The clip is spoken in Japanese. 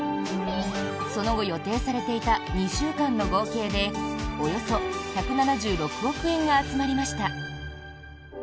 その後、予定されていた２週間の合計でおよそ１７６億円が集まりました。